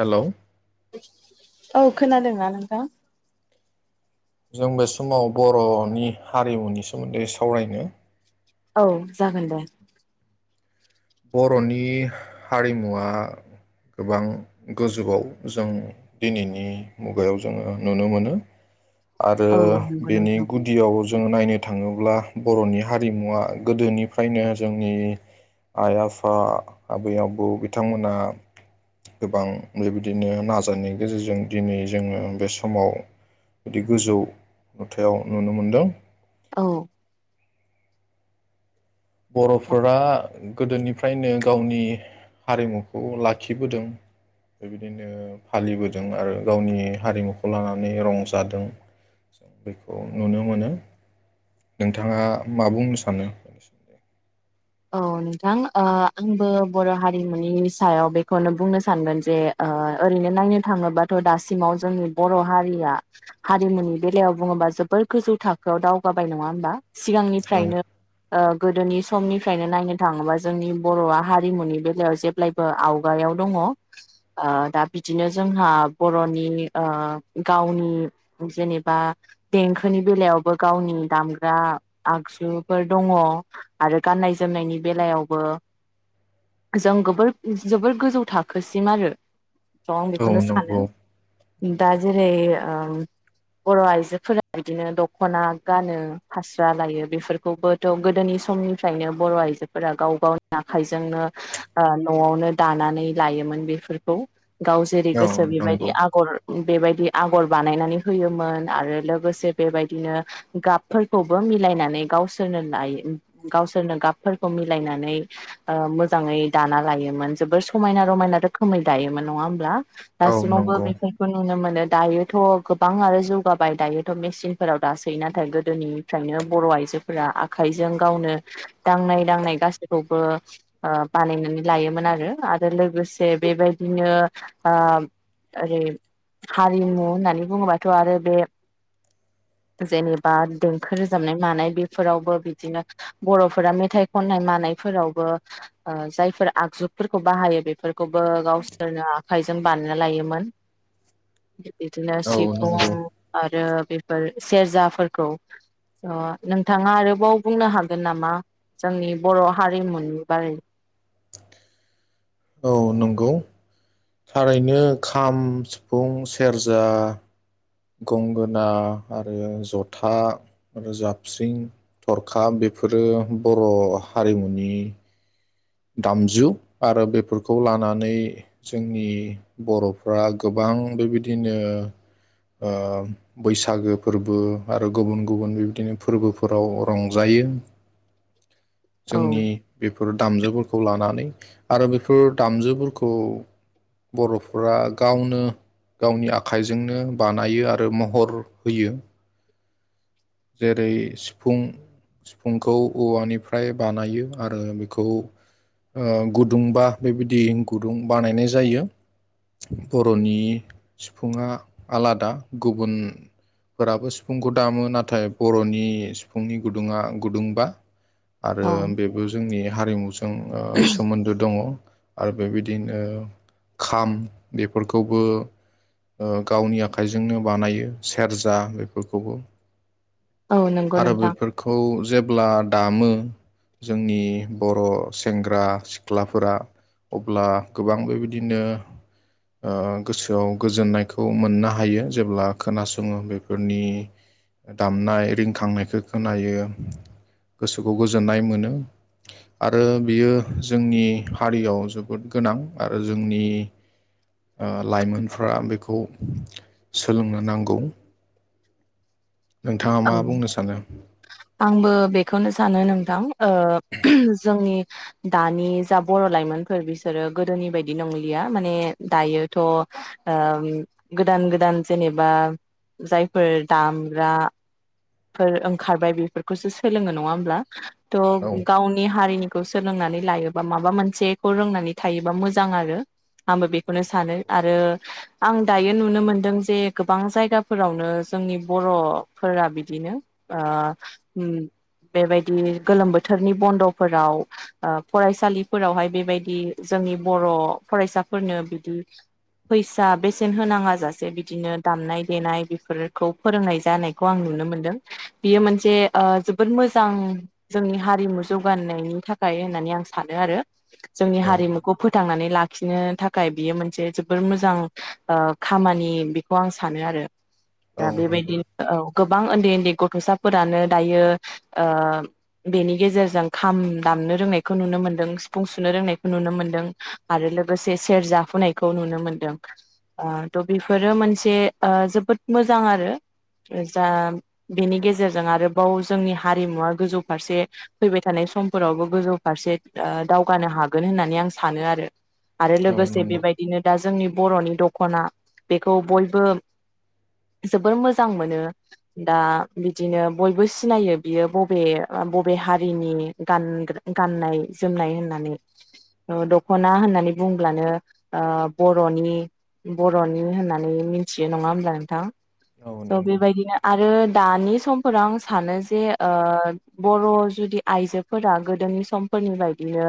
Hello औ खोनादोंना नोंथां? जों बे समाव बर'नि हारिमुनि सोमोन्दै सावरायनो औ जागोन दे। बर'नि हारिमुवा गोबां गोजौआव जों दिनैनि मुगायाव जोङो नुनो मोनो। आरो औ नंगौ बेनि नोंथां गुदियाव जोङो नायनो थाङो ब्ला बर'नि हारिमुवआ गोदोनिफ्रायनो जोंनि आइ आफा आबै आबौ बिथांमोना गोबां बेबायदिनो नाजानायनि गेजेरजों दिनै जोङो बे समाव बिदि गोजौ नुथायाव नुनो मोनदों। औ बर'फोरा गोदोनिफ्रायनो गावनि हारिमुखौ लाखिबोदों बेबायदिनो फालिबोदों आरो गावनि हारिमुखौ लानानै रंजादों जों बेखौ नुनो मोनो नोंथाङा मा बुंनो सानो? औ नोंथां ओ आंबो बर' हारिमुनि सायाव बेखौनो बुंनो सानगोन जे ओ ओरैनो नायनो थाङोबाथ' दासिमाव जोंनि बर' हारिया हारिमुनि बेलायाव बुङोबा जोबोर गोजौ थाखोआव दावगाबाय। नङा होमबा? औ सिगांनिफ्रायनो ओ गोदोनि समनि फ्रायनो नायनो थाङोबा जोंनि बर'आ हारिमुनि बेलायाव जेब्लायबो आवगायाव दङ ओ दा बिदिनो जोंहा बर'नि ओ गावनि जेनेबा देंखोनि बेलायावबो गावनि दामग्रा आगजुफोर दङ आरो गाननाय जोमनायनि बेलायावबो जों गोबोर जोबोर गोजौ थाखोसिम आरो थ' आं औ बेखौनो सानो। नंगौ दा नंगौ जेरै ओ बर' आइजोफोरा बिदिनो दख'ना गानो फास्रा लायो बेफोरखौबोथ' गोदोनि समनि फ्रायनो बर' आइजोफोरा गाव गावनि आखाइजोंनो ओ न'आवनो दानानै लायोमोन बेफोरखौ। गाव जेरै औ गोसो बिबायदि नंगौ आगर बेबायदि आगर बानायनानै होयोमोन आरो लोगोसे बेबायदिनो गाबफोरखौबो मिलायनानै गावसोरनो लायो। गावसोरनो गाबफोरखौ मिलायनानै ओ मोजाङै दाना लायोमोन जोबोर समायना रमायना रोखोमै दायोमोन नङा होमब्ला औ दासिमावबो नंगौ बेफोरखौ नुनो मोनो। दायोथ' गोबां आरो जौगाबाय दायोथ' मेसिनफोराव दासै नाथाय गोदोनिफ्रायनो बर' आइजोफोरा आखाइजों गावनो दांनाय दांनाय गासैखौबो ओ बानायनानै लायोमोन आरो आरो लोगोसे बेबायदिनो ओ ओरै हारिमु होननानै बुङोबाथ' आरो बे जेनेबा देंखो रोजाबनाय मानाय बेफोरावबो बिदिनो बर'फोरा मेथाइ खन्नाय मानायफोरावबो ओ जायफोर आगजुफोरखौ बाहायो बेफोरखौबो गावसोरनो आखायजों बानायना लायोमोन। बिदिनो औ नंगौ सिफुं। आरो बेफोर सेरजाफोरखौ ओ नोंथाङा आरोबाव बुंनो हागो गोन नामा जोंनि बर' हारिमुनि बारै औ नंगौ थारैनो खाम, सिफुं, सेरजा। गंगोना आरो जथा आरो जाबस्रिं थरखा बेफोरो बर' हारिमुनि दामजु आरो बेफोरखौ लानानै जोंनि बर'फ्रा गोबां बेबायदिनो ओ बैसागो फोरबो आरो गुबुन गुबुन बिबदिनो फोर्बोफोराव रंजायो। औ जोंनि बे फोर दामजुफोरखौ लानानै आरो बेफोर दामजुफोरखौ बर'फोरा गावनो गावनि आखाइजोंनो बानायो आरो महर होयो जेरै सिफुं सिफुंखौ औवानिफ्राय बानायो आरो बेखौ ओ गुदुंबा बेबायदि गुदुं बानायनाय जायो बर'नि सिफुङा आलादा गुबुनफोराबो सिफुंखौ दामो नाथाय बर'नि सिफुंनि गुदुङा गुदुंबा आरो औ बेबो जोंनि हारिमुस जों सोमोन्दो दङ आरो बेबायदिनो खाम बेफोरखौबो गावनि आखाइजोंनो बानायो सेरजा बेफोरखौबो औ नंगौ आरो नोंथां बेफोरखौ जेब्ला दामो जोंनि बर' सेंग्रा सिख्लाफोरा अब्ला गोबां बेबायदिनो गोसोआव गोजोननायखौ खौ मोननो हायो जेब्ला खोनासङो बेफोरनि दामनाय रिंखांनायखौ खोनायो गोसोखौ गोजोननाय मोनो आरो बेयो जोंनि हारियाव जोबोद गोनां आरो जोंनि लाइमोनफ्रा बेखौ खौ सोलोंनो नांगौ नोंथाङा मा औ बुंनो सानो आंबो बेखौनो सानो नोंथां ओ जोंनि दानि जा बर' लाइमोनफोर बिसोरो गोदोनि बायदि नंलिया माने दायोथ' ओ गोदान गोदान जेनेबा जायफोर दामग्रा फोर ओंखारबाय बेफोरखौसो सोलोङो नङा होमब्ला त' औ गावनि हारिनि खौ सोलोंनानै लायोबा माबा मोनसेखौ रोंनानै थायोबा मोजां आरो आंबो बेखौनो सानो नंगौ आरो आं दायो नुनो मोनदों जे गोबां जायगाफोरावनो जोंनि बर'फोरा बिदि बिदिनो ओ बेबायदि गोलोम बोथोरनि बन्द'फोराव फरायसालिफोरावहाय बेबायदि जोंनि बर' फरायसाफोरनो बिदि फैसा बेसेन होनाङा जाासे बिदिनो दामनाय देनाय बेफोरखौ फोरोंनाय जानायखौ आं नुनो मोन नों बियो मोनसे जोबोद मोजां जोंनि हारिमु जौगानायनि थाखाय होननानै आं सानो आरो जोंनि औ हारिमुखौ फोथांनानै लाख खिनो थाखाय बियो मोनसे जोबोर मोजां ओ खामानि बेखौ आं सानो आरो। दा औ बेबादि नंगौ औ गोब बां ओन्दै ओ गथ'साफोरानो दायो ओ बेनि गेजेरजों खाम दामनो रोंनायखौ नुनो मोनदों सिफुं सुनो रोंनायखौ नुनो मोनदों आरो लोगोसे सेरजा हुनायखौ नुनो मोनदों ओ त' बेफोरो मोनसे जोबोद मोजां आरो जा बेनि गेजेरजों आरोबाव जोंनि हारिमुवा गोजौ फारसे फैबाय थानाय समफोरावबो गोजौ फारसे ओ दावगानो हागोन होननानै आं सानो आरो। आरो औ लोगोसे नंगौ बेबायदिनो दा जोंनि बर'नि दख'ना बेखौ बयबो जोबोर मोजां मोनो। दा बिदिनो बयबो सिनायो बियो बबे बबे हारिनि गानग्रा गाननाय जोमनाय होननानै दख'ना होननानै बुंब्लानो ओ बर'नि बर'नि होननानै मिथियो नङा होमब्ला नोंथां? औ थ' नंगौ बेबायदिनो आरो दानि समफोराव आं सानो ओ जे बर' जुदि आइजोफोरा गोदोनि समफोरनि बायदिनो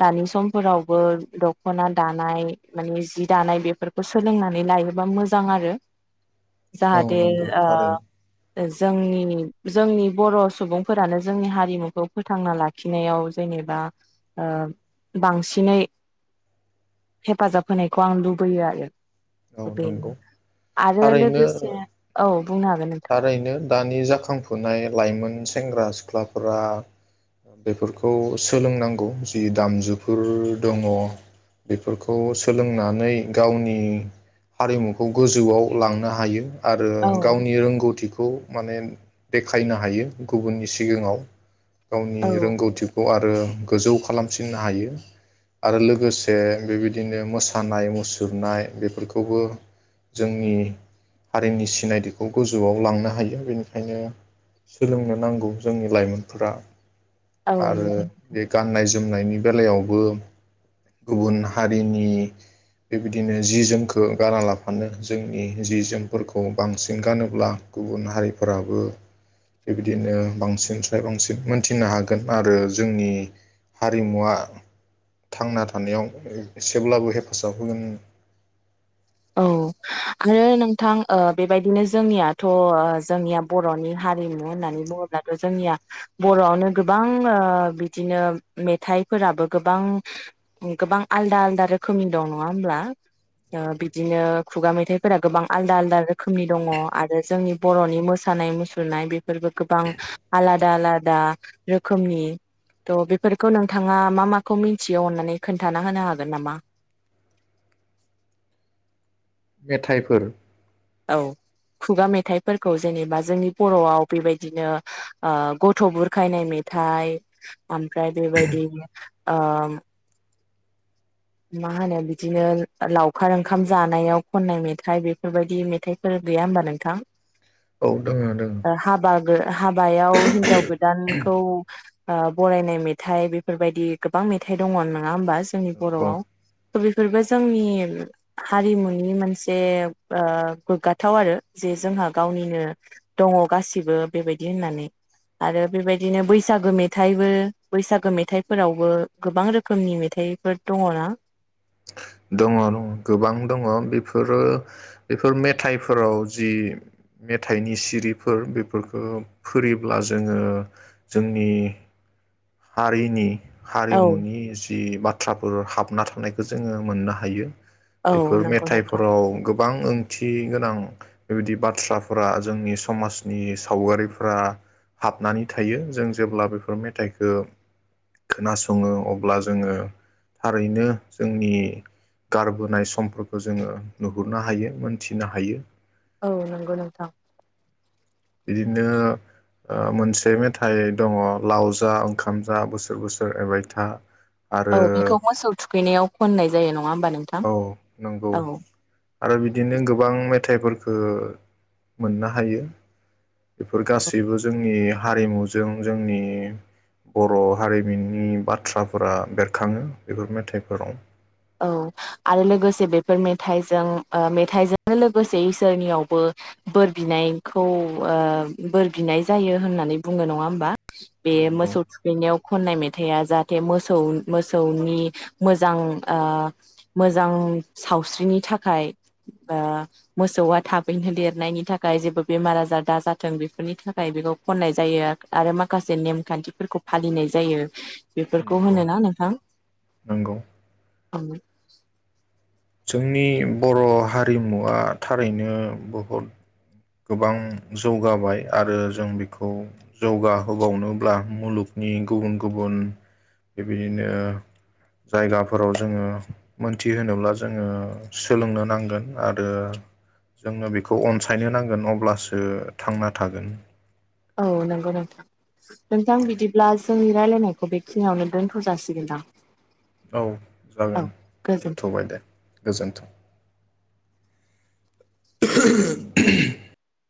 दानि समफोरावबो दख'ना दानाय मानि जि दानाय बेफोरखौ सोलोंनानै लायोबा मोजां आरो। औ जाहाथे नंगौ थारैनो ओ ओ जोंनि जोंनि बर' सुबुंफोरानो जोंनि हारिमुखौ फोथांना लाखिनायाव जेनेबा ओ बांसिनै हेफाजाब होनायखौ आं लुबैयो आरो। औ बेनो नंगौ आरो थारैनो लोगोसे औ। बुंनो हागोन नों थारैनो दानि जाखांफुनाय लाइमोन सेंग्रा सिख्लाफोरा बेफोरखौ सोलोंनांगौ जि दामजुफोर दङ' बेफोरखौ सोलोंनानै गावनि हारिमुखौ गोजौआव लांनो हायो। आरो औ गाव गौथिखौ माने देखायनो हायो गुबुननि सिगाङाव। गावनि औ रोंगौथिखौ आ ओ गोजौ खालामसिननो हायो आरो लोगोसे बेबायदिनो मोसानाय मुसुरनाय बेफोरखौबो जोंनि हारिनि सिनाय खौ गोजौआव लांनो हायो बेनिखायनो सोलोंनो नांगौ जोंनि लाइमोनफोरा। औ आरो नोंथां बे गाननाय जो जोमनायनि बेलायावबो गुबुन हारिनि बेबायदिनो जि जोमखो गारा लाफानो जोंनि जि जोमफोरखौ बांसिन सिन गानोब्ला गुबुन हारिफोराबो बेबायदिनो बांसिनस्राय बांसिन मोनथिनो हागोन आरो जोंनि हारिमुवा थांना थानायाव एसेब्लाबो हेफाजाब होगोन। औ आरो नोंथां ओ बेबायदिनो जोंनियाथ' ओ जोंनिया बर'नि हारिमु होननानै बुङोब्लाथ' जोंनिया बर'आवनो गोबां ओ बिदिनो मेथाइफोराबो गोबां गोबां आलदा आलदा रोखोमनि दं नङा होमब्ला ओ बि बिदिनो खुगा मेथाइफोरा गोबां आलदा आलदा रोखोमनि दङ' आरो जोंनि बर'नि मोसानाय मुसुरनाय बे फोरबो गोबां आलाद दा आलदा रोखोमनि थ' बेफोरखौ नोंथाङा मा माखौ मिथियो अननानै खोन्थाना होनो हागोन नामा? मेथाइफोर औ खुगा मेथाइफोरखौ जेनेबा जोंनि बर'आव बेबायदिनो ओ गथ' बुरखायनाय मेथाइ ओमफ्राय बेबायदिनो ओ मा होनो बिदिनो लावखार ओंखाम जानायाव खननाय मेथाइ बेफोरबायदि मेथाइफोर गैया होमबा नोंथां? औ दोङो दोङो। ओ हाबा गो हाबायाव हिन्जाव गोदानखौ ओ बरायनाय मेथाइ बेफोरबायदि गोबां मेथाइ दङ' नङा होमबा जोंनि औ बर'आव थ' बेफोरबो जोंनि हारिमुनि मोनसे ओ गोग्गाथाव आरो जे जोंहा गावनिनो दङ' गासिबो बेबायदि होननानै आरो बेबायदिनो बैसागो मेथाइबो बैसागो मेथाइफोरावबो गोबां रोखोमनि मेथाइफोर दङ'ना। दङ' दङ' गोबां दङ' बेफोरो बेफोर मेथाइफोराव जि मेथाइनि सिरिफोर बेफोरखो फोरियोब्ला जोङो जोंनि हारिनि औ हारिमुनि जि बाथ बाथ्राफोर हाबना थानायखौ जोङो मोननो हायो। औ बेफोर नंगौ नोंथां मेथाइफोराव गोब बां ओंथि गोनां बेबायदि बाथ्राफोरा जोंनि समाजनि सावगारिफोरा हाबनानै थायो जों जेब्ला बेफोर मेथाइखो खोनासङो अब्ला जोङो थारैनो जोंनि गारबोनाय समफोरखौ जोङो नुहुरनो हायो मोनथिनो हायो। औ नंगौ नोंथां। बिदिनो ओ मोनसे मेथाइ दङ' लाव जा ओंखाम जा बोसोर बोसोर एबायथा। औ बेखौ मोसौ थुखैनायाव खननाय जायो नङा होमबा नों औ नंगौ आरो बिदिनो गोबां मेथाइफोरखो मोननो हायो। बेफोर गासैबो जोंनि हारिमुजों जोंनि बर' हारिमाननि बाथ्राफोरा बेरखाङो बेफोर मेथाइफोराव। औ आरो लोगोसे बेफोर मेथाइजों ओ मेथाइजोंनो लोगोसे इसोरनियावबो बोर बिनायखौ ओ बोर बिनाय जायो होननानै बुङो नङा होमबा। बे नंगौ मोसौ थुखैनायाव खननाय मेथाइआ जा दे मोसौ मोसौनि मोजां। ओ मोजां सावस्रिनि थाखाय ओ मोसौआ थाबैनो देरनायनि थाखाय जेबो बेमार आजार दाजाथों बेफोरनि थाखाय बेखौ खननाय जायो आरो माखासे नेमखान्थिफोरखौ फालिनाय जायो। बेफोरखौ नंगौ होनोना नोंथां। नंगौ ओं जोंनि बर' हारिमुवा थारैनो बहुद गोबां जौगाबाय आरो जों बेखौ जौगाहोबावनोब्ला मुलुगनि गुबुन गुबुन बेबायदिनो जायगाफोराव जोङो मोनथिहोनोब्ला जोङो सोलोंनो नांगोन आरो जोङो बेखौ अनसायनो नां गोन अब्लासो थांना थागोन। औ नंगौ नोंथां। नोंथां बिदिब्ला जोंनि रायलायनायखौ बेखिनियावनो दोनथ' जासिगोनदां। औ औ जागोन गोजोन दोनथ'बाय दे गोजोनथों। [inaudible]